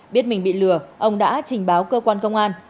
biết mình bị lừa ông đã trình báo cơ quan công an